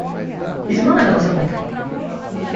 Isso não é da nossa conta.